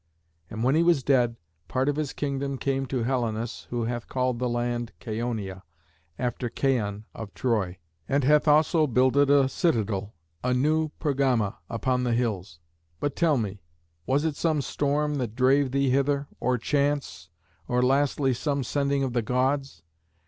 And when he was dead, part of his kingdom came to Helenus, who hath called the land Chaonia, after Chaon of Troy; and hath also builded a citadel, a new Pergama, upon the hills. But tell me, was it some storm that drave thee hither, or chance, or, lastly, some sending of the Gods?